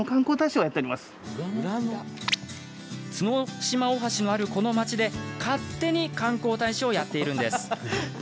角島大橋のある、この町で勝手に観光大使をやっているんです。